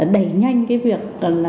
đẩy nhanh cái việc